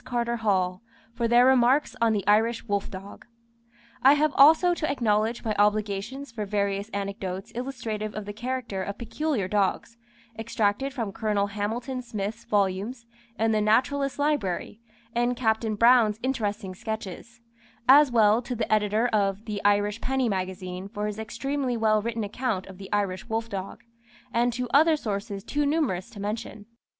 Carter Hall for their remarks on the Irish wolf dog. I have also to acknowledge my obligations for various anecdotes illustrative of the character of peculiar dogs, extracted from Colonel Hamilton Smith's volumes in the Naturalist's Library and Captain Brown's interesting sketches; as well to the Editor of the "Irish Penny Magazine" for his extremely well written account of the Irish wolf dog; and to other sources too numerous to mention.